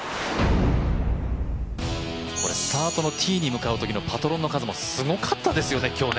これスタートのティーに向かうときのパトロンの数もすごかったですね。